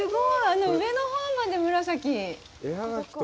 あの上のほうまで紫。